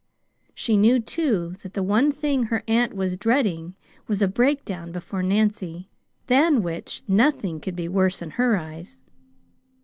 She knew, too, that the one thing her aunt was dreading was a breakdown before Nancy, than which nothing could be worse in her eyes.